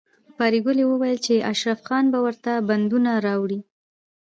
پريګلې وویل چې اشرف خان به ورته بندونه راوړي